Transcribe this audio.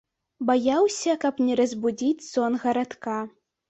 Баяўся, каб не разбудзіць сон гарадка.